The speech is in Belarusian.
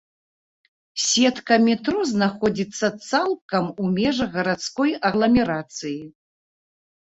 Сетка метро знаходзіцца цалкам у межах гарадской агламерацыі.